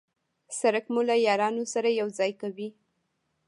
سړک مو له یارانو سره یو ځای کوي.